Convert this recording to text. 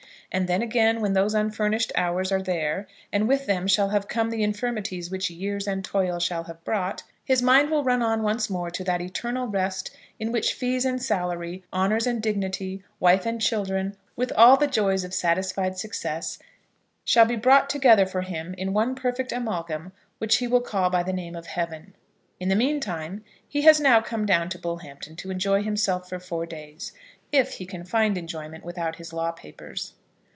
And then, again, when those unfurnished hours are there, and with them shall have come the infirmities which years and toil shall have brought, his mind will run on once more to that eternal rest in which fees and salary, honours and dignity, wife and children, with all the joys of satisfied success, shall be brought together for him in one perfect amalgam which he will call by the name of Heaven. In the meantime, he has now come down to Bullhampton to enjoy himself for four days, if he can find enjoyment without his law papers.